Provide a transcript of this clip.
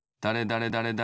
だれだれ